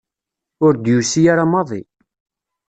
Ur d-yusi ara maḍi.